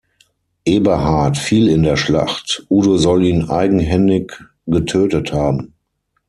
Eberhard fiel in der Schlacht; Udo soll ihn eigenhändig getötet haben.